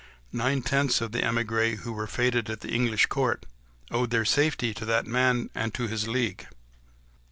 Nine tenths of the émigrés, who were fêted at the English court, owed their safety to that man and to his league.